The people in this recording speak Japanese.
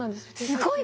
すごい！